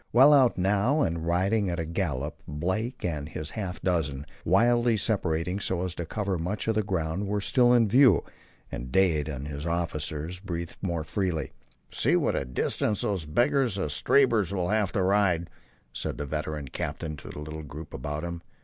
Well out now, and riding at the gallop, Blake and his half dozen, widely separating so as to cover much of the ground, were still in view, and Dade and his officers breathed more freely. "See what a distance those beggars of Stabber's will have to ride," said the veteran captain to the little group about him.